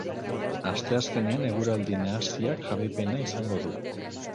Asteazkenean eguraldi nahasiak jarraipena izango du.